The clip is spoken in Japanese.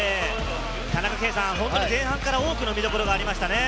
田中圭さん、本当に前半から多くの見どころがありましたね。